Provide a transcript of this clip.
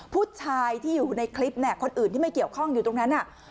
ผู้ชายที่อยู่ในคลิปเนี่ยคนอื่นที่ไม่เกี่ยวข้องอยู่ตรงนั้นน่ะ